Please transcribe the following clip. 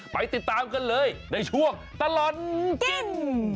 ไปติดตามกันเลยในช่วงตลอดกิน